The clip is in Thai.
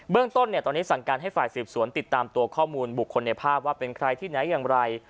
เรื่องต้นตอนนี้สั่งการให้ฝ่ายสืบสวนติดตามตัวข้อมูลบุคคลในภาพว่าเป็นใครที่ไหนอย่างไร